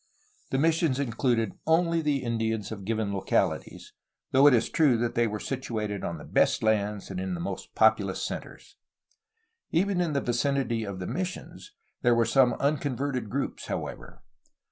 The missions included only the Indians of given localities, though it is true that they were situated on the best lands and in the most populous centres. Even in the vicinity of the missions, there were some unconverted groups, however.